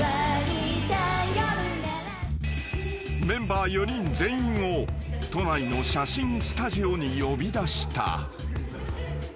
［メンバー４人全員を都内の写真スタジオに呼び出した］